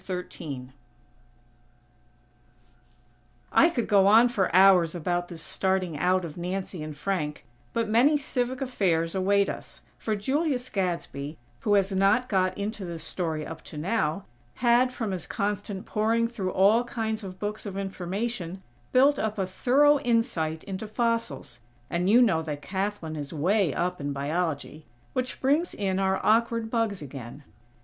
XIII I could go on for hours about this starting out of Nancy and Frank, but many civic affairs await us; for Julius Gadsby who has not got into this story up to now, had, from his constant poring through all kinds of books of information, built up a thorough insight into fossils; and you know that Kathlyn is way up in Biology; which brings in our awkward "bugs" again.